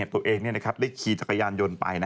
ตัวเองได้ขี่จักรยานยนต์ไป